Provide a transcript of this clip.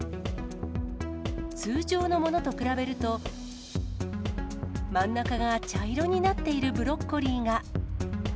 通常のものと比べると、真ん中が茶色になっているブロッコリーが。